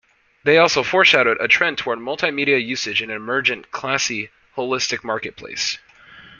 They also foreshadowed a trend toward multi-media usage in an emergent, classy, holistic marketplace.